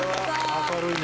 明るいね。